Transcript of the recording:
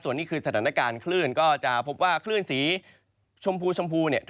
ส่วนนี้คือสถานการณ์คลื่นก็จะพบว่าคลื่นสีชมพูชมพูเนี่ย